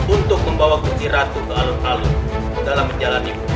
untuk membawa kunci ratu ke alun alun dalam penjalanan ke kumpang pajak